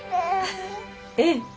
ええ。